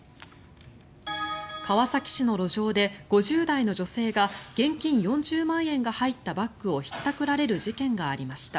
川崎市の路上で５０代の女性が現金４０万円が入ったバッグをひったくられる事件がありました。